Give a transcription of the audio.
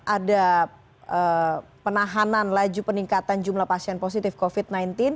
ada penahanan laju peningkatan jumlah pasien positif covid sembilan belas